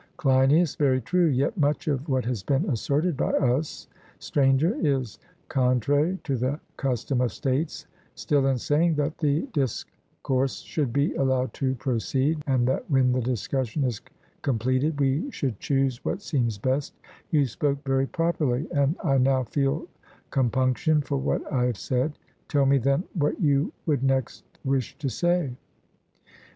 CLEINIAS: Very true; yet much of what has been asserted by us, Stranger, is contrary to the custom of states; still, in saying that the discourse should be allowed to proceed, and that when the discussion is completed, we should choose what seems best, you spoke very properly, and I now feel compunction for what I have said. Tell me, then, what you would next wish to say.